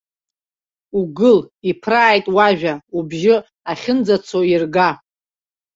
Угыл, иԥрааит уажәа, убжьы ахьынӡацо ирга.